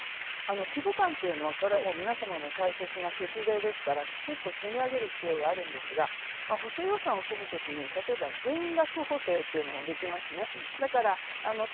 規模感というのは皆様の大切な血税ですから積み上げる必要がありますが、補正予算を組む時に例えば減額補正というのもできますね。